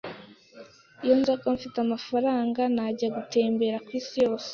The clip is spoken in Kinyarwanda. Iyo nza kuba mfite amafaranga, najya gutembera kwisi yose.